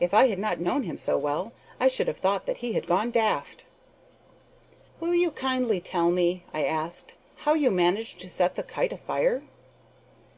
If I had not known him so well I should have thought that he had gone daft. "Will you kindly tell me," I asked, "how you managed to set the kite afire?"